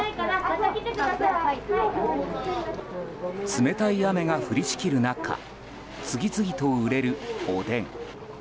冷たい雨が降りしきる中次々と売れる、おでん。